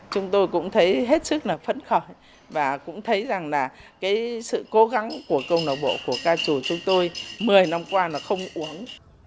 chúng tôi cũng thấy hết sức là phấn khởi và cũng thấy rằng là cái sự cố gắng của câu lạc bộ của ca trù chúng tôi một mươi năm qua là không uống